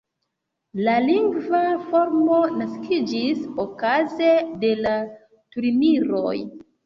La lingva formo naskiĝis okaze de la turniroj.